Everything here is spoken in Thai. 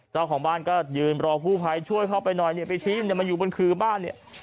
เจ้าของบ้านก็ยืนรอกู้ภัยช่วยเข้าไปหน่อยเนี่ยไปชี้มันอยู่บนคือบ้านเนี่ย